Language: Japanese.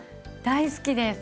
大好きです。